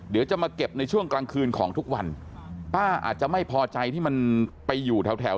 เดี๋ยวจะมาเก็บในช่วงกลางคืนของทุกวันป้าอาจจะไม่พอใจที่มันไปอยู่แถวแถว